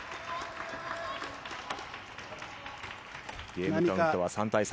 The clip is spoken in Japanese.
ゲームカウントは３対３。